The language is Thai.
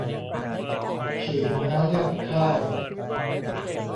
ขี่ม้าเลียบค่าย